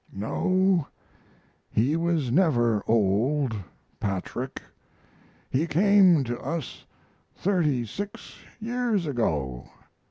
No, he was never old Patrick. He came to us thirty six years ago.